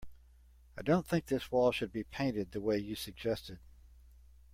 I don't think this wall should be painted the way you suggested.